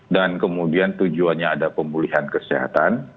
dan kemudian tujuannya ada pemulihan kesehatan